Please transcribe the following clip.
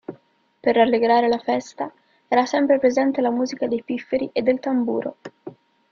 Per rallegrare la festa era sempre presente la musica dei “pifferi” e del tamburo.